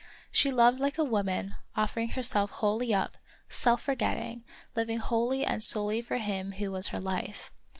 She loved like a woman, offering herself wholly up ; self forgetting; living wholly and solely for him who was her life.